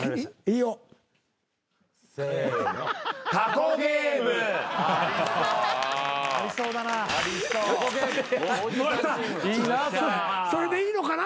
いいのかな？